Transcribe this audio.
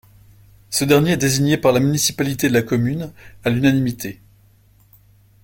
Ce dernier est désigné par la municipalité de la commune à l'unanimité.